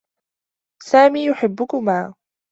سامي يحبّكما.